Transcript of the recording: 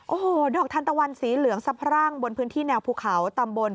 โอ้โหดอกทันตะวันสีเหลืองสะพรั่งบนพื้นที่แนวภูเขาตำบล